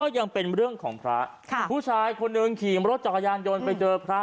ยังเป็นเรื่องของพระค่ะผู้ชายคนหนึ่งขี่รถจักรยานยนต์ไปเจอพระ